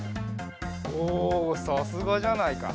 おおさすがじゃないか。